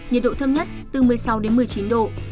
nhiệt độ thấp nhất từ một mươi sáu đến một mươi chín độ